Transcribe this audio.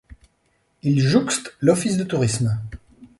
Il jouxte l'office de tourisme.